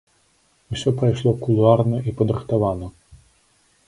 Усё прайшло кулуарна і падрыхтавана.